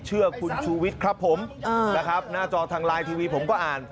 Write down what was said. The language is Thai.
เชื่อคุณชูวิทย์ครับผมนะครับหน้าจอทางไลน์ทีวีผมก็อ่าน